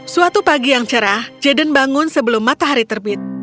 suatu pagi yang cerah jaden bangun sebelum matahari terbit